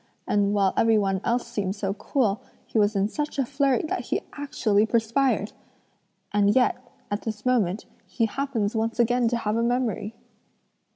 and while every one else seemed so cool, he was in such a flurry that he actually perspired! And yet, at this moment, he happens once again to have a memory!"